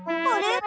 あれ？